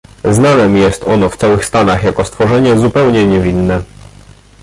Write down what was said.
"Znanem jest ono w całych Stanach, jako stowarzyszenie zupełnie niewinne."